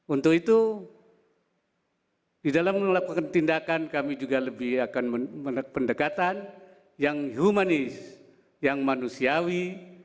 untuk itu di dalam melakukan tindakan kami juga lebih akan mendekatan yang humanis yang manusiais yang terhadap kita